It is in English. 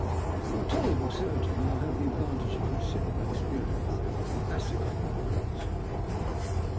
I am a tolerable surgeon, and I have the advantage of considerable experience of assegai wounds."